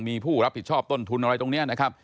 มีผู้รับผิดชอบต้นทุนอะไรตรงนี้นะครับ